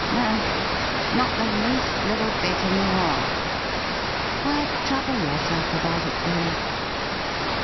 No, not the least httle bit in the world.' ' Why trouble yourself about it, Waley ?'